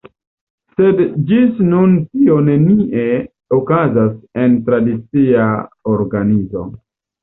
Sed ĝis nun tio nenie okazas en tradicia organizo.